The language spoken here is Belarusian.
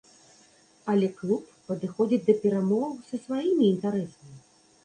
Але клуб падыходзіць да перамоваў са сваімі інтарэсамі.